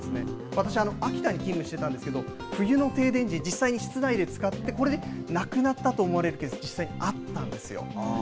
私、秋田に勤務してたんですけれども、冬の停電時、実際に室内で使って、これで亡くなったと思われるケース、実際にあったんですよ。